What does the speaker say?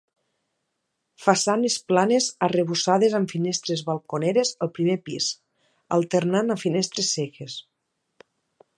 Façanes planes arrebossades amb finestres balconeres al primer pis, alternant amb finestres cegues.